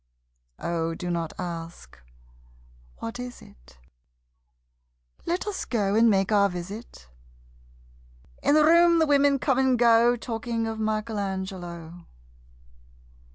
Oh, do not ask, "What is it?" Let us go and make our visit. In the room the women come and go Talking of Michelangelo.